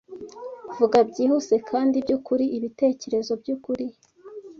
vuga byihuse kandi byukuri ibitekerezo byukuri